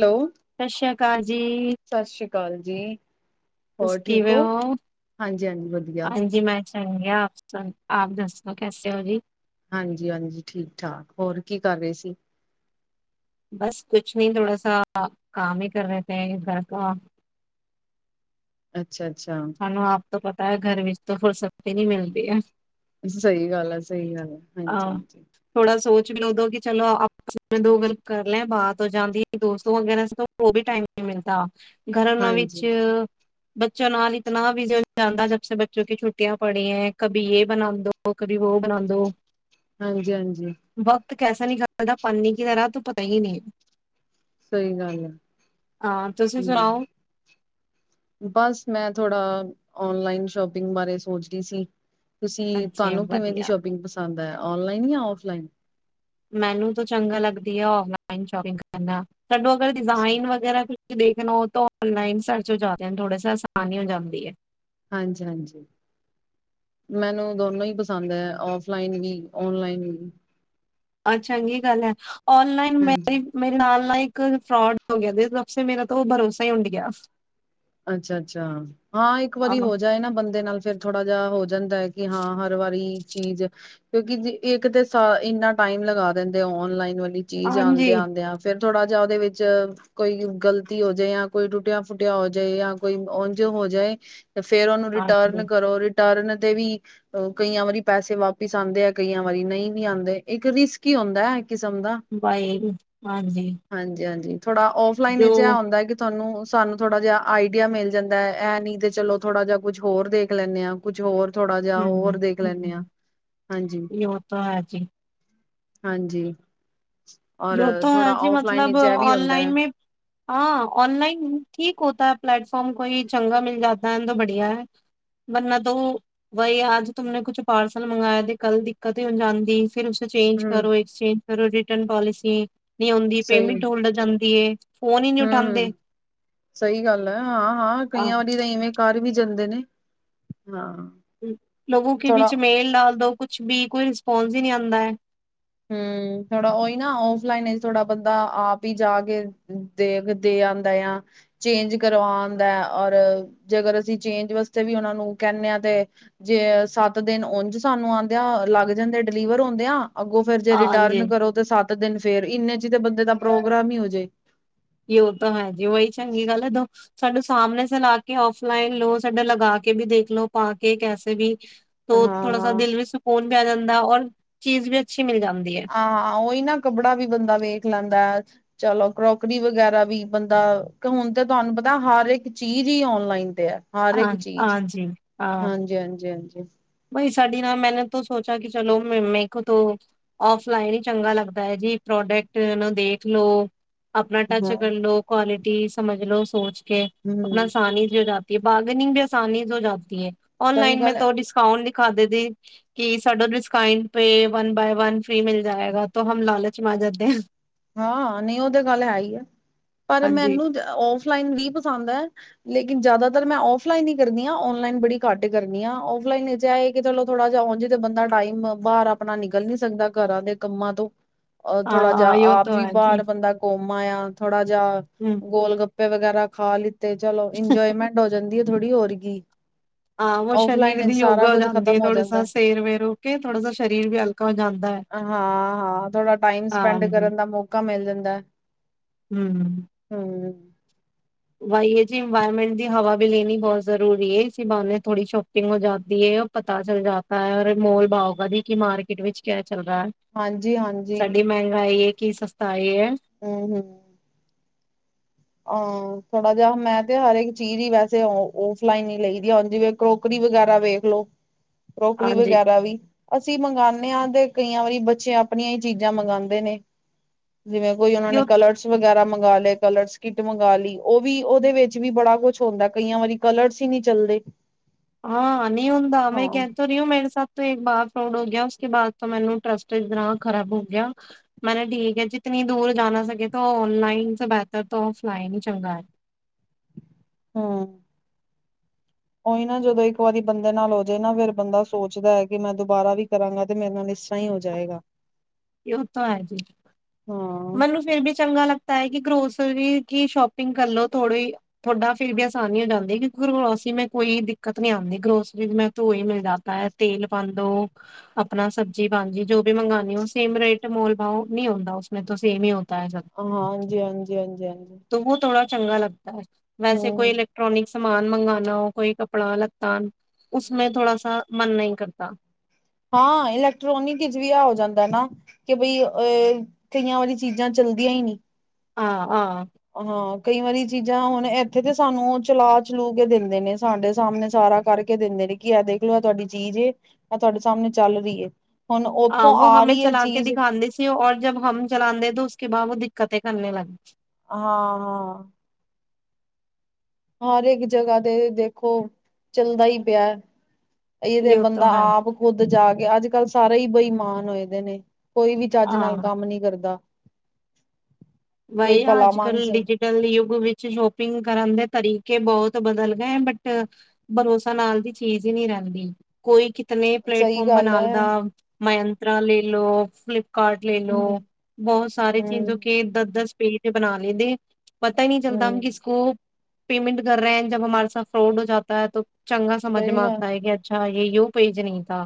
Hello, ਸਤ ਸ਼੍ਰੀ ਕਾਲ ਜੀ। ਕਾਲਜੀ। ਤੁਸੀ ਕਿਵੇਂ ਹੋ? ਹਾਂਜੀ-ਹਾਂਜੀ ਵਧੀਆ। ਹਾਂਜੀ ਮੈ ਚੰਗਯਾ, ਆਪ ਦੱਸੋ ਕੈਸੇ ਹੋ ਜੀ? ਹਾਂਜੀ ਹਾਂਜੀ, ਠੀਕ ਠਾਕ। ਹੋਰ ਕੀ ਕਰ ਰੇ ਸੀ? ਬਸ ਕੁਛ ਨੀ ਥੋੜਾ ਸਾ ਕਾਮ ਹੀ ਕਰ ਰੇ ਤੇ ਘਰ ਕਾ। ਅੱਛਾ-ਅੱਛਾ, ਸਾਨੂੰ ਆਪ ਤੋਂ ਪਤਾ ਐ, ਘਰ ਵਿੱਚ ਤਾਂ ਫੁੱਲ ਸਕਤੀ ਨੀ ਮਿਲਦੀ ਐ। ਸਹੀ ਗੱਲ ਐ ਸਹੀ ਗੱਲ ਐ, ਹਾਂਜੀ ਅ ਹਾਂਜੀ। ਥੋੜਾ ਸੋਚ ਵੀ ਉਦੋਂ ਕਿ ਚਲੋ ਆਪਸ ਮੈ ਦੋ ਗਲ ਕਰ ਲੇ, ਬਾਤ ਹੋ ਜਾਂਦੀ ਏ ਦੋਸਤੋ ਵਗੈਰਾ ਸੇ ਵੋ ਬੀ ਟਾਈਮ ਨੀ ਮਿਲਤਾ। ਘਰਨਾਂ ਵਿੱਚ ਹਾਂਜੀ, ਬੱਚਾ ਨਾਲ ਈ ਇਤਨਾ ਵਿਜੇ ਜਾਂਦਾ ਜਬਸੇ ਬੱਚੋਂ ਕੀ ਛੁੱਟੀਆਂ ਪੜੀ ਐ ਕਭੀ ਯੇ ਬਣਾ ਦੋ ਕਭੀ ਵੋ ਬਣਾ ਦੋ। ਹਾਂਜੀ ਹਾਂਜੀ। ਕੈਸਾ ਨੀ ਕਲਦਾ ਪਾੱਨੀ ਕੀ ਤਰ੍ਹਾਂ ਤੋਂ ਪਤਾ ਹੀ ਨਈਂ ਏ। ਸਹੀ ਗੱਲ ਏ, ਤੁਸੀਂ ਸੁਣਾਓ? ਹਂ। ਬਸ ਮੈਂ ਥੋੜਾ ਔਨਲਾਈਨ ਸ਼ੋਪਿੰਗ ਬਾਰੇ ਸੋਚ ਰੀ ਸੀ। ਤੁਸੀਂ ਹਾਂਜੀ ਤੁਹਾਨੂੰ ਕਿਵੇਂ ਦੀ ਵਧੀਆ ਸ਼ੋਪਿੰਗ ਪਸੰਦ ਐ? ਔਨਲਾਈਨ ਯਾ ਔਫਲਾਈਨ। ਮੈਨੂੰ ਤਾਂ ਚੰਗਾ ਲੱਗਦੀ ਆ ਔਨਲਾਈਨ ਸ਼ੋਪਿੰਗ ਕਰਨਾ। ਕੱਢੋ ਅਗਰ ਡਿਜ਼ਾਇਨ ਵਗੈਰਾ ਵੀ ਦੇਖਣਾ ਓਹ ਤਾਂ ਔਨਲਾਈਨ ਸਰਚ ਹੋ ਜਾਤੇ ਹੈਂ ਥੋੜ੍ਹੇ ਸੇ ਆਸਾਨੀ ਹੋ ਜਾਂਦੀ ਐਂ। ਹਾਂਜੀ ਹਾਂਜੀ, ਮੈਨੂੰ ਦੋਨੋਂ ਈ ਪਸੰਦ ਐ, ਔਫਲਾਈਨ ਵੀ ਔਨਲਾਈਨ ਵੀ। ਅਹ, ਚੰਗੀ ਗੱਲ ਹੈ। ਔਨਲਾਈਨ ਹਾਂਜੀ, ਮੇਰੀ ਮੇਰੇ ਨਾਲ ਨਾ ਇ ਕਲ ਫਰੋਡ ਹੋ ਗਿਆ ਦੇ ਤਬ ਸੇ ਮੇਰਾ ਤੋ ਭਰੋਸਾ ਈ ਉੰਡ ਗਿਆ। ਅੱਛਾ ਅੱਛਾ, ਹਾਂ ਇੱਕ ਵਾਰੀ ਆਹੋ ਹੋ ਜਾਏ ਨਾ ਬੰਦੇ ਨਾਲ ਫਿਰ ਥੋੜਾ ਜਾ ਹੋ ਜਾਂਦੈ, ਕਿ ਹਾਂ ਹਰ ਵਾਰੀ ਚੀਜ਼ ਕਿਉਂਕਿ ਜ ਇੱਕ ਤੇ ਇੰਨਾ ਟਾਈਮ ਲਗਾ ਦਿੰਦੇ ਐ, ਔਨਲਾਈਨ ਵਾਲ ਚੀਜ਼ ਹਾਂਜੀ ਆਦੇ ਆਂਦੇਆ ਫੇਰ ਥੋੜਾ ਜਿਹਾ ਉਹਦੇ ਵਿੱਚ ਕੋਈ ਗਲਤੀ ਹੋ ਜੇ, ਜਾਂ ਕੋਈ ਟੁੱਟਿਆ ਫੁੱਟਿਆ ਹੋ ਜੇ ਜਾਂ ਕੋਈ ਉਂਝ ਹੋ ਜਾਏ ਤੇ ਫੇਰ ਉਹਨੂੰ ਹਾਂਜੀ ਰਿਟਰਨ ਕਰੋ ਰਿ ਰਿਟਰਨ ਤੇ ਵੀ ਕਈਆਂ ਵਾਰੀ ਪੈਸੇ ਵਾਪਿਸ ਆਂਦੇ ਆ, ਕਈਆਂ ਵਾਰੀ ਨਈਂ ਵੀ ਆਂਦੇ ਇੱਕ ਰਿਸਕ ਹੀ ਹੁੰਦਾ ਐ ਬਾਈ ਹਾਂਜੀ। ਹਾਂਜੀ-ਹਾਂਜੀ ਥੋੜਾ ਔਫਲਾਈਨ ਜੋ ਇਚ ਇਹ ਹੁੰਦਾ ਕਿ ਤੁਹਾਨੂੰ ਸਾਨ ਥੋੜਾ ਜਿਆ ਆਈਡੀਆ ਮਿਲ ਜਾਂਦਾ ਇਹ ਨਈਂ ਤੇ ਚਲੋ ਥੋੜ੍ਹਾ ਜਿਆ ਕੁਝ ਹੋਰ ਦੇਖ ਲੈਂਣੇ ਆਂ, ਕੁਝ ਹੋਰ ਥੋੜਾ ਜਿਹਾ ਹੋਰ ਹਮ ਦੇਖ ਲੈਂਣੇ ਆਂ, ਹਮ ਹਾਂਜੀ। ਯੋ ਤਾਂ ਹੈ ਜੀ ਹਾਂਜੀ ਯ ਤਾਂ ਹੈ ਜੀ, ਮਤਲਬ ਇਹ ਵੀ ਹੁੰਦਾ ਔਨਲਾਈਨ ਹੈ ਮੈਂ ਹਾਂ, ਔਨਲਾਈਨ ਠੀਕ ਹੋਤਾ ਹੈ ਪਲੇੈਟਫਾਰਮ ਕੋਈ ਚੰਗਾ ਮਿਲ ਜਾਤਾ ਹੈ ਤੋਂ ਬੜੀਆ ਹੈ ਵਰਨਾਂ ਤੋਂ ਵੋ ਵਹੀ ਆਜ ਤੁਮ ਨੇ ਕੁਛ ਪਾਰਸਲ ਮੰਗਵਾਆ ਤੇ ਕੱਲ ਦਿੱਕਤ ਹੀ ਹੋ ਜਾਂਦੀ ਫਿਰ ਉਸੇ ਚੇਂਜ ਹੂੰ ਕਰੋ, ਐਕਸਚੇਂਜ ਕਰੋ, ਰਿਟਰਨ ਪੋਲਸੀ ਠੀਕ ਸਹੀ ਹਂ, ਹਂ ਸਹੀ ਗੱਲ ਐ, ਹਾਂ, ਹਾਂ ਕਈਆਂ ਵਾਰੀ ਤਾਂ ਇਵੇਂ ਘਰ ਵੀ ਜਂਦੇ ਨੇਂ ਲੋਗੌ ਕੇ ਵਿਚ ਮੇਲ ਡਾਲ ਦੋ ਕੁਛ ਵੀ ਕੋਈ ਰਿਸਪੋਂਸ ਹੀ ਨਹੀਂ ਆਉਂਦਾ ਐ ਹੂੰ ਥੋੜਾ ਓਹੀ ਨਾ ਓਫਲਾਈਨ ਵਿਚ ਥੋੜਾ ਬੰਦਾ ਆਪ ਹੀ ਜਾ ਕੇ ਦੇਖ ਦੇ ਆਂਦਾ ਆ ਚੇਂਜ ਕਰਵਾ ਆਂਦਾ ਔਰ ਜੇਕਰ ਅਸੀਂ ਚੇਂਜ ਵਾਸਤੇ ਵੀਓਨਾ ਨੂੰ ਕਹਿੰਦੇ ਆ ਤੇ ਜੇ ਸੱਤ ਦਿਨ ਉਜ ਸਾਨੂੰ ਆਂਦੇ ਆ ਲੱਗ ਜਾਂਦੇ ਡਿਲੀਵਰ ਹੁੰਦੇ ਆ ਅੱਗੋਂ ਫਿਰ ਜੇ ਰਿਟਰਨ ਕਰੋ ਤੇ ਸੱਤ ਦਿਨ ਫੇਰ ਇੰਨੇ ਚ ਤੇ ਬੰਦੇ ਦਾ ਪ੍ਰੋਗਰਾਮ ਹੀ ਹੋਜੇ ਸਾਡੇ ਸਾਹਮਣੇ ਸ ਲਾ ਕੇ ਆਫਲਾਈਨ ਲਓ ਸਾਡਾ ਲਗਾ ਕੇ ਵੀ ਦੇਖ ਲਓ ਪਾ ਕੇ ਕੈਸੇ ਵੀ ਤ ਥੋੜਾ ਸਾ ਹਾਂ-ਹਾਂ। ਦਿਲ ਵਿੱਚ ਸਕੂਨ ਪੈ ਜਾਂਦਾ ਔਰ ਚੀਜ਼ ਵੀ ਅੱਛੀ ਹਾਂ ਉਹੀ ਨਾ ਕੱਪੜਾ ਵੀ ਬੰਦਾ ਵੇਖ ਲੈਂਦਾ ਹੈ ਚਲੋ ਕਰੋਕਰੀ ਵਗੈਰਾ ਵੀ ਬੰਦਾ ਹੁਣ ਤੇ ਤੁਹਾਨੂੰ ਪਤਾ ਹਰ ਇੱਕ ਚੀਜ਼ ਹੀ ਔਨਲਾਈਨ ਹਰ ਇੱਕ ਚੀਜ਼ ਹਾਂਜੀ-ਹਾਂਜੀ ਹਾਂਜੀ [inaudible] ਬਾਈ ਸਾਡੀ ਨਾਲ ਮੈਨੇ ਤੋਂ ਸੋਚਿਆ ਕਿ ਚਲੋ ਮ ਮੇ ਕੋ ਤੋਂ ਫਲਾਈਨ ਹੀ ਚੰਗਾ ਲੱਗਦਾ ਹੈ ਜੀ ਪ੍ਰੋਡਕਟ ਦੇਖ ਲੋ ਆਪਣਾ ਹਾਂ ਟਾਚਗ [unintelligible] ਲੋ ਕੁਾਲਿਟੀ ਸਮਝ ਲੋਓ ਸੋਚ ਕੇ ਆਪਣਾ ਹੂੰ ਸਾਨ ਹੀ [unintelligible] ਬਾਰਗਨਿੰਗ ਵੀ ਆਸਾਨੀ ਹੋ ਜਾਤੀ ਹੈ ਸਹੀ ਔਨਲਾਈਨ ਮੇ ਗੱਲ ਹੈ ਤੋ ਡਿਸ [unintelligible] ਦਿਖਾਦੇ ਸੀ ਕਿ ਸਾਡਾ [unintelligible] ਪੇ ਵਨ ਬਾਏ ਵਨ ਫਰੀ ਮਿਲ ਜਾਏਗਾ ਹਮ ਲਾਲਚ ਮ ਆ ਜਾਤੇ ਆ ਹਾਂ ਨਹੀਂ ਉਹ ਤੇ ਗੱਲ ਹੈ ਹੀ ਆ ਪਰ ਹਾਂਜੀ ਮੈਨੂੰ ਔਫ ਆਨਲਾਈਨ ਵੀ ਪਸੰਦ ਆ ਲੇਕਿਨ ਜਿਆਦਾਤਰ ਮੈਂ ਆਫਲਾਈਨ ਹੀ ਕਰਦੀ ਆ, ਓਨਲਾਈਨ ਬੜੀ ਘੱਟ ਕਰਦੀ ਆ ਫ ਲਨ [unintelligible] ਚਲੋ ਥੋੜਾ ਜਿਹਾ ਬੰਦਾ ਟਾਈਮ ਤੋਂ ਬਾਹਰ ਆਪਣਾ ਨਿਕਲ ਨੀ ਸਕਦਾ ਘਰਾਂ ਦੇ ਕੰਮਾਂ ਤੋਂ ਔਰ ਥੋੜਾ ਜਿਹਾ ਹਾਂ ਯੋ ਆਪ ਤੋ ਵੀ ਹੈ ਜੀ ਬਾਹਰ ਬੰਦਾ ਕੁ [unintelligible] ਥੋੜਾ ਜਾਂ ਹੂੰ ਗੋਲ ਗੱ [unintelligible] ਵਗੈਰਾ ਖਾ ਲਿੱ ਤੇ ਚਲੋ ਇੰਜੋਏਮੈਂਟ ਹੋ ਜਾਂਦੀ ਥੋੜੀ ਹੋਰ ਗੀਂ ਹਾਂ ਉਹ ਸਰੀਰ ਦੀ ਯੋਗਾ ਹੋ ਜਾਂਦੀ ਹੈ ਖਤਮ ਹੋ ਥੋੜਾ ਜਾਂਦਾ ਸ ਸੇਰ ਵੇਰ ਹੋ ਕੇ ਥੋੜਾ ਸ ਸਰੀਰ ਵੀ ਹਲਕਾ ਹੋ ਜਾਂਦਾ ਹੈ ਹਾਂ ਹਾਂ ਥੋੜਾ ਟਾਈਮ ਸਪੈਂਡ ਹਾਂਜੀ ਕਰਨ ਦਾ ਮੌਕਾ ਮਿਲ ਜਾਂਦਾ ਹਮ ਬਾਈ ਇਹ ਜੀ ਇਨਵਾਇਰਮੈਂਟ ਦੀ ਹਵਾ ਵੀ ਲੈਣੀ ਬਹੁਤ ਜ਼ਰੂਰੀ ਹੈ ਇਸ ਬਹਾਨੇ ਥੋੜੀ ਸ਼ੋਪਿੰਗ ਹੋ ਜਾਦੀ ਹੈ ਪਤਾ ਚੱਲ ਜਾਤਾ ਹੈ ਔਰ ਮੋਲ ਭਾਓ ਦੀ ਕਿ ਮਾਰਕੀਟ ਵਿੱਚ ਕਿਆ ਚੱਲਦਾ ਹਾਂਜੀ-ਹਾਂਜੀ, ਸਾਡੀ ਮਹਿੰਗਾਈ ਇੱਕ ਕੀ ਸਸਤਾ ਇਹ ਹੈ। ਹੂ, ਹੂੰ ਹਾਂ, ਥੋੜਾ ਜਿਹਾ ਮੈਂ ਤੇ, ਹਰਕ ਚੀਜ਼ ਹੀ ਵੈਸੇ ਓਫਲਾਈਨ ਹੀ ਲਈ ਦੀ, ਹੁਣ, ਜਿਵੇਂ ਕਰੋਕਰੀ ਵਗੈਰਾ ਵੇਖ ਲੋ। ਕਰੋਕਰੀ ਵਗੈਰਾ ਵੀ ਅਸੀਂ ਮੰਗਾਨੇ ਆ, ਤੇ ਕਈਆਂ ਵਾਰੀ ਬੱਚੇ ਆਪਣੀਆਂ ਹੀ ਚੀਜ਼ਾਂ ਮੰਗਾਂਦੇ ਨੇ। ਜਿਵੇਂ ਕੋਈ ਉਹਨਾਂ ਨੇ, ਕਲਰਸ ਵਗੈਰਾ ਵਾਲੇ ਕਲਰਸ ਕਿਟ ਮੰਗਾ ਲਈ, ਉਹ ਵੀ, ਉਹਦੇ ਵਿੱਚ ਵੀ ਬੜਾ ਕੁਛ ਹੁੰਦਾ, ਕਈਆਂ ਵਾਰੀ ਕਲਰਸ ਹੀ ਨਹੀਂ ਚੱਲਦੇ। ਹਾਂ, ਨਹੀਂ ਹੁੰਦਾ, ਮੈਂ, ਹਾਂ ਕਹਿ ਤੋਂ ਰਹੀ ਹ ਮੇਰੇ ਸਾਥ ਤੋਂ, ਇੱਕ ਬਾ ਹੋ ਗਿਆ, ਉਸ ਕੇ ਬਾਅਦ ਤੋਂ ਮੈਨੂੰ ਟਰੱਸਟ ਇਤਨਾ ਖਰਾਬ ਹੋ ਗਿਆ। ਮੈਨੇ ਠੀਕ ਹੈ ਜਿਤਨੀ ਦੂਰ ਜਾਨਾ ਸਕੇ ਤੋਂ, ਆਨਲਾਈਨ ਸੇ ਬੇਹਤਰ ਤੋਂ ਆਫਲਾਇਨ ਹੀ ਚੰਗਾ ਹੈ। ਹਾਂ। ਉਹੀ ਨਾ, ਜਦੋਂ ਇੱਕ ਵਾਰੀ ਬੰਦੇ ਨਾਲ ਹੋ ਜਾਏ ਨਾ, ਫੇਰ ਬੰਦਾ ਸੋਚਦਾ ਹੈ, ਕਿ, ਮੈਂ ਦੁਬਾਰਾ ਵੀ ਕਰਾਂਗਾ ਤੇ ਮੇਰੇ ਨਾਲ ਨ ਉਹ ਤਾਂ, ਹੈਜੀ ਹਾਂ, ਮੈਨੂੰ ਫਿਰ ਬੀ ਚੰਗਾ ਲੱਗਤਾ ਹੈ, ਕਿ ਗਰੋਸਰੀ ਕੀ ਸ਼ੋਪਿੰਗ ਕਰਲੋ, ਥੋੜੀ ਤੁਹਾਡਾ ਫਿਰ ਵੀ ਆਸਾਨੀ ਹੋ ਜਾਂਦੀ। ਕਿਉਂਕਿ ਗਰੋਸਰੀ ਮੈਂ ਕੋਈ ਦਿੱਕਤ ਨੀ ਆਉਂਦੀ, ਗਰੋਸਰੀ ਮੈਂ ਘਿਓ ਵੀ ਮਿਲ ਜਾਂਦਾ ਹੈ, ਤੇਲ ਪਾਉਦੋ ਆਪਣਾ ਸਬਜ਼ੀ ਹਾਂਜੀ। ਜੋ ਵੀ, ਮੰਗਾਨੀ ਉਹ, ਸੇਮ ਰੇਟ, ਮੋਲਭਾਓ ਨੀ ਹੂੰਦਾ, ਉਸਨੇ ਤੋਂ ਸੇਮ ਹੀ ਹੋਤਾ ਹੂੰ, ਹਾਂਜੀ-ਹਾਂਜੀ ਹਾਂਜੀ-ਹਾਂਜੀ। ਚੰਗਾ ਲੱਗਦਾ। ਵੈਸੇ, ਕੋਈ ਹੂੰ, ਇਲੈਕਟ੍ਰੋਨਿਕਸ ਸਮਾਨ ਮੰਗਾਨਾ ਹੋ, ਕੋਈ, ਕੱਪੜਾ- ਲੱਤਾ ਉਸਮੇ ਥੋੜਾ ਸਾ ਮਨ ਨਹੀਂ ਕਰਤਾ ਹਾਂ, ਇਲੈਕਟ੍ਰੋਨਿਕ ਵਿਚ ਵੀ, ਆ ਹੋ ਜਾਂਦਾ ਨਾ, ਕਿ ਬਈ ਅ- ਕਈਆਂ ਵਾਰੀ ਚੀਜ਼ਾਂ ਚੱਲਦੀਆਂ ਹੀ ਨਹੀਂ। ਹਾਂ, ਹਾਂ ਹਾਂ, ਕਈ ਵਾਰੀ ਚੀਜ਼ਾਂ ਹੁਣ ਇੱਥੇ ਤੇ, ਸਾਨੂੰ ਉਹ ਚਲਾ-ਚਲੂ ਕੇ ਦਿੰਦੇ ਨੇ, ਸਾਡੇ ਸਾਹਮਣੇ ਸਾਰਾ ਕਰਕੇ ਦਿੰਦੇ ਨੇ, ਕਿ, ਇਹ ਦੇਖ ਲੋ, ਆ ਤੁਹਾਡੀ ਚੀਜ਼ ਏ। ਤੁਹਾਡੇ ਸਾਹਮਣੇ ਚੱਲ ਰਹੀ ਹੈ ਹੁਣ ਹਾਂ, ਉੱਥੋਂ ਉਹ ਆ ਹਮੇ ਰਹੀ ਹੈ ਚਲਾ ਕੇ ਚੀਜ਼ ਦਿਖਾਂਦੇ ਸੀ, ਔਰ ਜਬ ਹਮ ਚਲਾਂਦੇ ਉਸ ਕੇ ਬਾਅਦ ਕਦੇ ਕਰਨੇ ਲੱਗ ਹਾਂ-ਹਾਂ ਹਰ ਇੱਕ ਜਗ੍ਹਾ ਤੇ, ਦੇਖੋ ਚੱਲਦਾ ਹੀ ਪਿਆ। ਇਹਦੇ ਬੰਦਾ ਆਪ ਖੁੱਦ ਜਾ ਕੇ ਅੱਜ -ਕੱਲ ਸਾਰੇ ਹੀ ਬੇਈਮਾਨ ਹੋਏ, ਦੇ, ਨੇ ਕੋਈ ਵੀ ਚੱਜ ਨਾਲ ਕੰਮ ਨੀ ਕਰਦਾ ਕੋਈ ਬਾਈ। ਭਲਾ ਅੱਜ ਕੱਲ ਮਾਨਸ ਡਿਜੀਟਲ ਯੁੱਗ ਵਿੱਚ, ਸ਼ੋਪਿੰਗ ਕਰਨ ਦੇ ਤਰੀਕੇ ਬਹੁਤ ਬਦਲ ਗਏ, ਬਟ ਭਰੋਸਾ ਨਾਮ ਦੀ ਚੀਜ਼ ਹੀ ਨਹੀਂ ਰਹਿੰਦੀ। ਕੋਈ ਤਨੇ ਸਹੀ ਪਲੇਟਫਾਰਮ ਗੱਲ ਬਣਾ ਹੈ, ਦਾ ਮ [inaudible] ਕਾਰਡ ਲੈ ਹੂੰ, ਲਓ, ਬਹੁਤ ਸਾਰੇ ਚੀਜ਼ ਹੂੰ। ਕਿ, ਇੱਦਾਂ ਦਸ ਪੇਜ ਬਣਾ ਲੇਦੇ ਪਤਾ ਹੀ ਨਹੀਂ ਚਲਦਾ ਹ ਹੂੰ, ਕਿਸ ਕੋ ਪੇਮੈਂਟ ਕਰ ਰਹੇ ਜਬ ਹਮਾਰ ਸਾ ਫਰੋਡ ਹੋ ਜਾਤਾ ਹੈ ਤੋਂ ਚੰਗਾ ਸਮਝ ਸਹੀ ਗੱਲ, ਮਾਰਤਾ ਹੈਗਾ ਅੱਛਾ [unintelligible] ਇਹੋ ਪੇਜ ਨੀ ਤਾਂ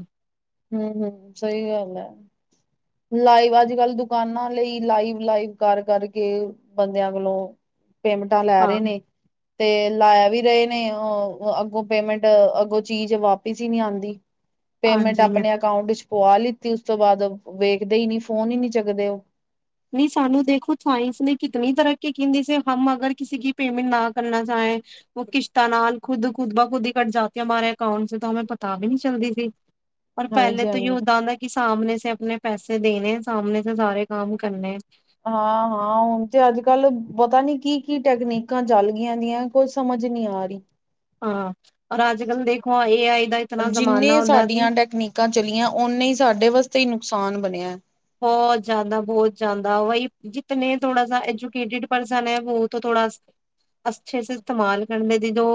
ਹਮ-ਹਮ ਸਹੀ ਗੱਲ ਹੈ ਲਾਈਵ ਅੱਜ ਕੱਲ ਦੁਕਾਨਾਂ ਲਈ ਲਾਈਵ-ਲਾਈਵ ਕਰ ਕਰਕੇ ਬੰਦਿਆਂ ਕੋਲੋਂ ਪੇਮਟਾਂ ਲੈ ਰਹੇ ਨੇ ਤੇ ਲਾਇਆ ਵੀ ਰਹੇ ਨੇ ਅੱਗੋਂ ਪੇਮੈਂਟ ਅੱਗੋਂ ਚੀਜ਼ ਵਾਪਿਸ ਹੀ ਨਹੀ ਆਉਂਦੀ ਪੇਮੈਂਟ ਹਾਂਜੀ ਆਪਣੇ ਅਕਾਊਂਟ ਵਿੱਚ ਪਆ ਲਿੱਤੀ ਉਸ ਤੋਂ ਬਾਅਦ ਵੇਖਦੇ ਹੀ ਨੀ ਫੋਨ ਹੀ ਨੀ ਚਗਦੇ ਉਹ ਨਹੀਂ ਸਾਨੂੰ ਦੇਖੋ ਸਾਇੰਸ ਨੇ ਕਿਤਨੀ ਤਰੱਕੀ ਕਹਿੰਦੀ ਸੀ ਹਮ ਅਗਰ ਕਿਸੇ ਪੇਮੈਂਟ ਨਾ ਕਰਨਾ ਚਾਹੇ ਉਹ ਕਿਸ਼ਤਾਂ ਨਾਲ ਖੁਦ ਖੁਦਬ ਖੁਦ ਹੀ ਕੱਟ ਜਾਤੀ ਅਕਾਊਂਟ ਤਾਂ ਪਤਾ ਵੀ ਨਹੀਂ ਚੱਲਦੀ ਸੀ ਪਰਰ ਪਹਿਲੇ ਹਾਂਜੀ, ਤੋਂ ਹੀ ਹਾਂਜੀ। ਉੱਦਾਂ ਹੁੰਦਾ ਸਾਹਮਣੇ ਸ ਆਪਣੇ ਪੈਸੇ ਦੇਣੇ ਸਮਣੇ ਸ ਸਾਰੇ ਕੰਮ ਕਰਨੇ ਹਾਂ, ਹਾਂ ਹੁਣ ਤੇ ਅੱਜ ਕੱਲ ਪਤਾ ਨੀ ਕੀ-ਕੀ ਟੈਕਨੀਕਾਂ ਚੱਲ ਗਈਆਂ ਦੀਆਂ ਕੁਈ ਸਮਝ ਨਹੀਂੀ ਆ ਰਹੀ ਦਾ ਇਤਨਾ ਜ਼ਮਾਨਾ ਜਿੰਨੇ ਹੁੰਦਾ ਜੀ ਸਾਡੀਆਂ ਟੈਕਨੀਕਾਂ ਚਲੀਆਂ ਓਨੇ ਹੀ ਸਾਡੇ ਵਾਸਤੇ ਹੀ ਆਸਾਨ ਬਣਿਆ ਬਹੁਤ ਜ਼ਿਆਦਾ ਬਹੁਤ ਜ਼ਿਆਦਾ ਵਹੀ ਜਿੇ ਥੋੜਾ ਐਜੂਕੇਟਿਡ ਪਰਸਨ ਹੈ ਥੋੜਾ ਅੱਛੇ ਇਸਤੇਮਾਲ ਕਰਦੇ ਦੀ ਜੋ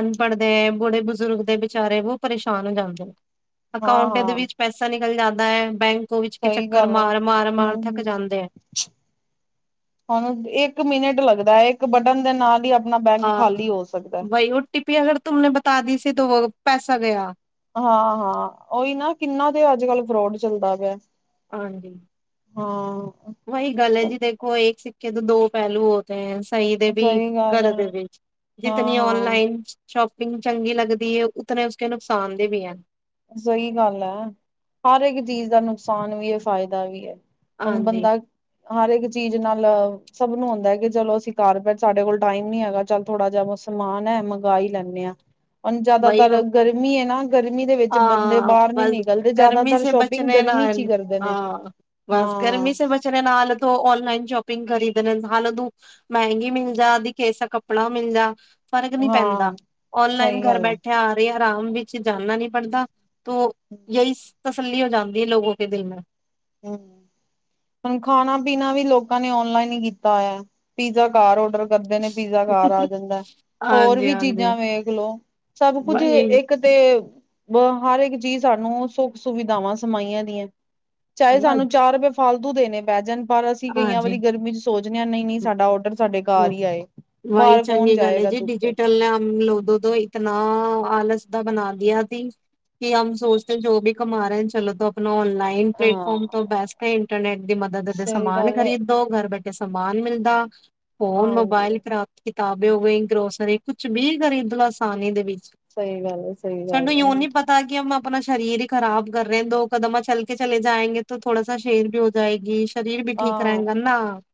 ਅਨਪੜ੍ਹਦੇ ਹੈ ਬੁੜੇ ਬਜ਼ੁਰਗ ਦੇ ਬੇਚਾਰੇ ਬਹੁ ਪਰੇਸ਼ਾਨ ਹੋ ਜਾਂਦੇ ਅਕਾਊਂਟ ਦੇ ਹਾਂ-ਹਾਂ ਵਿੱਚ ਪੈਸਾ ਨਿਕਲ ਜਾਂਦਾ ਬੈਂਕ ਉਹ ਵਿੱਚ ਕੇ ਚ ਸਹੀ ਗੱਲ ਆ ਹੂੰ ਹੂੰ ਹੁਣ ਇੱਕ ਮਿੰਟ ਲੱਗਦਾ। ਚਾਹੇ ਇੱਕ ਬਟਨ ਦੇ ਨਾਲ ਹੀ। ਆਪਣਾ ਬੈਂਕ ਹਾਂ ਖਾਲੀ ਹੋ ਸਕਦਾ। ਬਈ ਉਹ ਟਿੱਪੀ ਅਗਰ ਤੁਮ ਨੇ ਬਤਾ ਦੀ ਸੀ। ਪੈਸਾ ਗਿਆ। ਹਾਂ ਹਾਂ ਉਹੀ ਨਾ ਕਿੰਨਾ ਦੇ ਅੱਜ ਕੱਲ ਫਰੋਡ ਚੱਲਦਾ ਪਿਆ? ਹਾਂਜੀ। ਹਾਂ। ਵਹੀ ਗੱਲ ਹੈ ਜੀ ਦੇਖੋ ਇੱਕ। ਸਿੱਕੇ ਤੋਂ ਦੋ ਪਹਿਲੂ ਹੋਤੇ ਹੈ? ਕਈ ਦੇ ਵੀ ਸਹੀ ਗੱਲ ਘਰ ਹੈ ਦੇ ਵਿੱਚ ਜਿਤਨੀ ਹਾਂ-ਹਾਂ। ਔਨਲਾਈਨ। ਸ਼ੋਪਿੰਗ ਚੰਗੀ ਲੱਗਦੀ ਹੈ ਉਤਨੇ ਉਸ ਕੇ ਨੁਕਸਾਨ ਦੇ ਵੀ ਹੈ। ਸਹੀ ਗੱਲ ਹੈ ਹਰ ਇੱਕ ਚੀਜ਼ ਦਾ ਨੁਕਸਾਨ ਵੀ ਫਾਇਦਾ ਵੀ ਹੈ? ਹੁਣ ਹਾਂਜੀ ਬੰਦਾ ਹਰ ਇੱਕ ਚੀਜ਼ ਨਾਲ। ਸਭ ਨੂੰ ਆਉਂਦਾ ਕਿ ਚਲੋ ਅਸੀਂ ਕਾਰ ਪੈ ਸਾਡੇ ਕੋਲ ਟਾਈਮ ਨੀ ਹੈਗਾ ਚੱਲ ਥੋੜਾ ਜਿਹਾ ਸਮਾਨ ਹੈ ਮੰਗਵਾ ਹੀ ਲੈਂਦੇ ਹਾਂ। ਹੁਣ ਵਹੀ ਜਿਆਦਾਤਰ ਗਰਮੀ ਹੈ ਨਾ। ਗਰਮੀ ਦੇ। ਵਿੱਚ ਬੰਦੇ ਹਾਂ, ਬਾਹਰ ਨੀ ਬਸ ਨਿਕਲਦੇ ਗਰਮੀ ਜ਼ਿਆਦਾਤਰ ਸੇ ਸ਼ੋਪਿੰਗ ਬਚਣੇ ਗਰਮੀ ਚ ਹੀ ਨਾਲ ਕਰਦੇ ਨੇ ਹਾਂ, ਬਸ ਹਾਂ ਗਰਮੀ ਸੇ ਬਚਣੇ ਨਾਲ ਤੋਂ ਔਨਲਾਈਨ ਸ਼ੌਪਿੰਗ। ਪਿੰਗ ਕਰੀਦਣੇ ਫਾਲਤੂ ਮਹਿੰਗੀ ਮਿਲ ਜਾ ਅਧ ਕੈਸਾ ਕੱਪੜਾ ਮਿਲ ਜਾ। ਫਰਕ ਨਹੀਂ ਪੈਂਦਾ ਹਾਂ ਔਨਲਾਈਨ ਸਹੀ ਘਰ ਗੱਲ ਹੈ ਬੈਠੇ ਆ ਰਹੇ ਆ। ਆਰਾਮ ਵਿੱਚ ਜਾਣਾ ਨੀਂ ਪੜਦਾ। ਤੋ ਯਈ ਸ ਤਸੱਲੀ ਹੋ ਜਾਂਦੀ ਐ ਲੋਕੋ ਕੇ ਦਿਲ ਮੇਂ। ਹਂ, ਹੁਣ ਖਾਣਾ-ਪੀਣਾ ਵੀ ਲੋਕਾਂ ਨੇ ਔਨਲਾਈਨ ਈ ਕੀਤਾ ਹੋਇਆ। ਪੀਜ਼ਾ ਬਾਰ ਔਡਰ ਕਰਦੇ ਨੇਂ ਪੀਜ਼ਾ ਘਰ ਆ ਜਾਂਦਾ ਐ, ਹੋਰ ਹਾਂਜੀ ਵੀ ਹਾਂਜੀ ਚੀਜ਼ਾਂ ਵੇਖ ਲੋ ਸਭ ਕੁਝ ਵਹੀ ਇੱਕ ਤੇ ਬੋ ਹਰ ਇੱਕ ਚੀਜ਼ ਸਾਨੂੰ ਸੁੱਖ ਸੁਵਿਧਾਵਾਂ ਸਮਾਈਆਂ ਦੀਆਂ। ਚਾਹੇ ਸਾਨੂੰ ਚਾਰ ਰੁਪਏ ਫ ਫਾਲਤੂ ਦੇਣੇ ਪੈ ਜਣ। ਪਰ ਅਸੀਂ ਕਈਆਂ ਹਾਂਜੀ ਵਾਰੀ ਗਰਮੀ ਚ ਸੋਚਦੇ ਆਂ, ਨਈਂ ਨਈਂ, ਸਾਡਾ ਔਡਰ ਸਾਡੇ ਘਰ ਈ ਆਏ, ਬਾਹਰ ਕੌਣ ਜਾਏਗਾ ਧੁੱਪੇ? ਆਲਸ ਦਾ ਬਣਾ ਦੀਆ ਆਦੀ ਕਿ ਹਮ ਸੋਚਤੇ ਕਿ ਜੋ ਬੀ ਕਮਾ ਰਹੇ ਚਲੋ ਤੋ ਆਪਣਾ ਔਨਲਾਇ ਲਾਇਨ ਪਲੇਟਫਾਰਮ ਤੋਂ ਹਾਂ ਬੇਸਟ ਇੰਟਰਨੈਟ ਦੀ ਮਦਦ। ਸਹੀ ਮਨ ਗੱਲ ਹੈ ਖਰੀਦੋ ਘਰ ਘਰ ਬੈਠੇ ਸਮਾਨ ਮਿਲਦਾ। ਫੋਨ ਮੋਬਾਈਲ ਹਾਂਜੀ। ਖਰਾਬ ਕੀ ਕਿਤਾਬੀ ਹੋਗੀ, ਗਰੋਸਰੀ, ਕੁਛ ਵੀ ਖਰੀਦ ਲੋ ਅਸਾਨੀ ਦੇ ਵਿੱਚ ਸਹੀ ਗੱਲ ਐ, ਸਹੀ ਗੱਲ ਐ। ਆਪਣਾ ਸਰੀਰ ਹੀ ਖਰਾਬ ਕਰ ਰਹੇ ਦੋ ਕਦਮਾਂ ਚਲ ਕੇ ਚਲੇ ਜਾਏਂਗੇ ਥੋੜਾ ਸਾ ਸ਼ੇਰ ਬੀ ਹੋ ਜਾਏਗੀ। ਹਾਂ,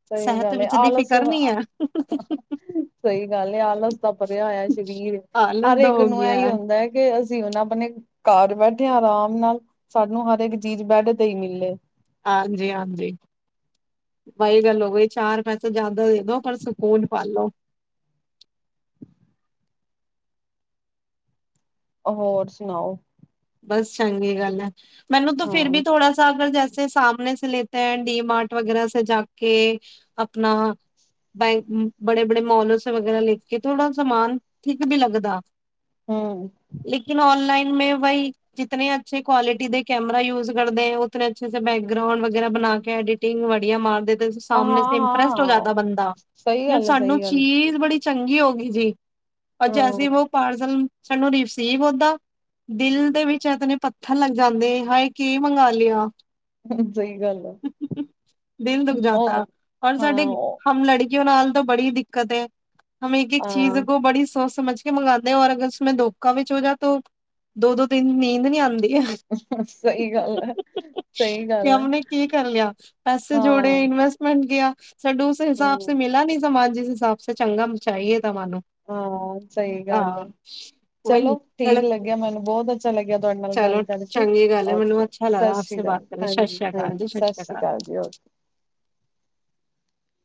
ਸਹੀ ਗੱਲ ਐ, ਵਿੱਚ ਦੀ ਆਲਸ ਫਿਕਰ ਨਹੀਂ ਹੈ [unintelligible] ਸਹੀ ਗੱਲ ਐ ਆਲਸ ਦਾ ਭਰਿਆ ਹੋਇਆ ਆ ਸਰੀਰ ਆਲਸ ਹਰ ਦਾ ਇੱਕ ਹੋ ਨੂੰ ਗਿਆ ਇਹੀ ਹੁੰਦਾ ਐ ਕਿ ਉਹ ਆਪਣੇ ਘਰ ਬੈਠੇ ਆਰਾਮ ਨਾਲ ਸਾਨੂੰ ਹਰ ਇੱਕ ਚੀਜ਼ ਬੈਡ ਤੇ ਈ ਮਿਲੇ। ਹਾਂਜੀ, ਹਾਂਜੀ। ਬਹੀ ਗੱਲ ਹੋ ਗਈ। ਚਾਰ ਪੈਸੇ ਜਿਆਦਾ ਈ ਪਰ ਸਕੂਲ ਪਾਲੋ ਹੋਰ ਸੁਣਾਓ। ਬਸ ਚੰਗੀ ਗੱਲ ਐ। ਮੈਨੂੰ ਤਾਂ ਫਿਰ ਵੀ ਹਾਂ ਥੋੜਾ ਸਾ ਅਗਰ ਜਸ ਸਾਮਣੇ ਸੇ ਲਤੇ ਹੈ ਡੀ ਮਾਰਟ ਵਗੈਰਾ ਸ ਜਾ ਕੇ ਆਪਣਾ ਬੈਂ ਬੜੇ-ਬੜੇ ਮੋਲੋ ਵਗੈਰਾ ਲੈਖ ਕੇ ਥੋੜਾ ਸਮਾਨ ਠੀਕ ਵੀ ਲਗਦਾ। ਹਮ ਲੇਕਿਨ ਔਨਲਾਈਨ ਮੈਂ ਬਈ ਜਿਤਨੇ ਅੱਛੇ ਕੁਆਲਿਟੀ ਦੇ ਕੈਮਰਾ ਯੂਜ ਕਰਦੇ ਉਤਨੇਂ ਅੱਛੇ ਸੇ ਬੈਕਗਰਾਉਂਡ ਵਗੈਰਾ ਬਣਾ ਕੇ ਐਡੀਿਟਿੰਗ ਵਧੀਆ ਮਾਰਦੇ। ਸਾਹਮਣੇ ਤੇ ਹਾਂ ਇੰਪ੍ਰੈਸਡ ਹੋ ਹਾਂ ਜਾਂਦਾ ਬੰਦਾ ਸਹੀ ਯੇ ਗੱਲ ਹੈ ਸਹੀ ਸਾਨੂੰ ਗੱਲ ਚੀਜ਼ ਬੜੀ ਚੰਗੀ ਹੋ ਗਈ ਜੀ। ਰ ਜੈਸੀੇ ਵੋ ਪਾਰਸਲ ਸਾਨੂੰ ਰਿਸੀਵ ਓਦਾ ਬਿਲ ਤਨੇ ਪੱਥਰ ਲੱਗ ਜਾਂਦੇ ਹਾਏ ਕੀ ਮੰਗਵਾ ਲਿਆ। ਸਹੀ ਗੱਲ ਹੈ ਐ ਹਾਂ। ਉਹ ਨਾਲ ਤਾਂ ਬੜੀ ਦਿੱਕਤ ਐ। ਹਮੇ ਇੱਕ, ਇੱਕ ਚੀਜ਼ ਕੋ ਹਾਂ ਬੜੀ ਸੋ ਸਮਝ ਕੇ ਮੰਗਨੇ ਆ ਅਗਰ ਉਸਂ ਦੋਖਾ ਵਿੱਚ ਹੋਜੇ ਤੋ ਦੋ, ਦੋ ਨੀਂਦ ਨੀ ਆਦੀ। ਯ ਸਹੀ ਗੱਲ ਹੈ ਸਹੀ ਗੱਲ ਹੈ ਕਿਮਨ ਨੇ ਕੀ ਕਰ ਲਿਆ ਪੈਸੇ ਜੋੜੇ ਹਾਂ ਇਨਵੈਸਟਮੈਂਟ ਗਿਆ। ਸਾਡੂ ਉਸ ਹਾਂ ਹਿਸਾਬੇ ਮਿਲਾ ਨਹੀਂ। ਸਮਾਜ ਜਿਸ ਹਿਸਾਬ ਚੰਗਾ ਚਾਹੀਏ। ਹਾਂ, ਸਹੀ ਗੱਲ ਹੈ ਚਲੋ ਠੀਕ ਲੱਗਿਆ ਮੈਨੂੰ ਬਹੁਤ ਅੱਛਾ ਲੱਗਿਆ ਤੁਹਾਡੇ ਨਾਲ ਚਲੋ ਗੱਲ ਕਰਕੇ ਚੰਗੀ ਗੱਲ ਹੈ ਮੈਨੂੰ ਓਕੇ ਅੱਛਾ ਲਗਾ ਸਤਿ ਆਪ ਸ਼੍ਰੀ ਸੇ ਬਾਤ ਅਕਾਲ ਕਰਕੇ ਸਤਿ ਹਾਂਜੀ, ਸ੍ਰੀ ਅਕਾਲ ਜੀ ਹਾਂਜੀ ਸਤਿ ਸ੍ਰੀ ਅਕਾਲ ਜੀ ਓਕੇ